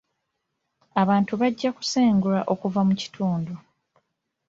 Abantu bajja kusengulwa okuva mu kitundu.